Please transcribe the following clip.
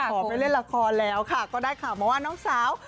ขอไม่เล่นละครแล้วค่ะก็ได้ข่าวมาว่าน้องสาว